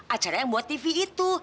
acara yang buat tv itu